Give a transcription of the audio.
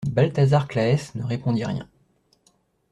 Balthazar Claës ne répondit rien.